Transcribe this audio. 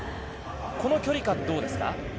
この距離感はどうですか？